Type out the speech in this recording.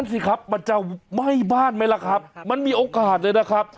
สิครับมันจะไหม้บ้านไหมล่ะครับมันมีโอกาสเลยนะครับ